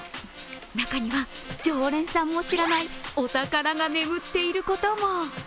中には常連さんも知らないお宝が眠っていることも。